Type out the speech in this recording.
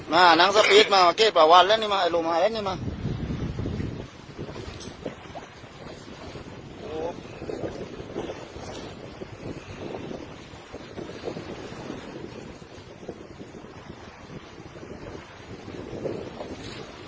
มานั่งสะพีดมาเก็บประวัติแล้วนี่มาไอลุงไหมาเองนี่มา